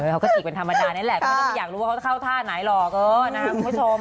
เขาก็จีบเป็นธรรมดานั้นแหละก็ไม่อยากรู้เขาจะเข้าท่าไหนหรอกนะครับคุณผู้ชม